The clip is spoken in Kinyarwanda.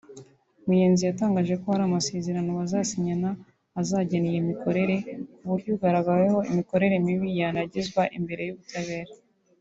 Muyenzi yatangaje ko hari amasezerano bazasinyana azagena iyo mikorere ku buryo ugaragaweho imikorere mibi yanagezwa imbere y’ubutabera